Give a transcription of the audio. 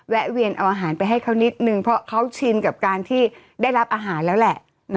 แวนเอาอาหารไปให้เขานิดนึงเพราะเขาชินกับการที่ได้รับอาหารแล้วแหละ